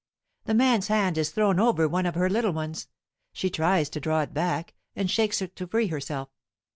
The man's hand is thrown over one of her little ones. She tries to draw it back, and shakes it to free herself.